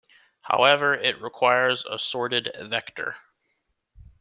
However, it requires a sorted vector.